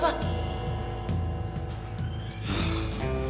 maka gue liat tuh muka gue